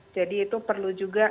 jadi itu perlu juga